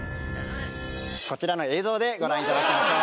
こちらの映像でご覧いただきましょう。